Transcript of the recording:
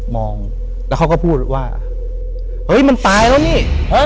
มองแล้วเขาก็พูดว่าเฮ้ยมันตายแล้วนี่